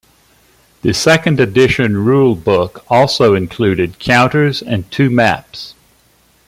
The second edition rulebook also included counters and two maps.